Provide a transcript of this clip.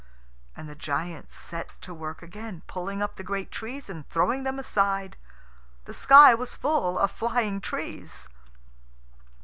And the giant set to work again, pulling up the great trees and throwing them aside. The sky was full of flying trees.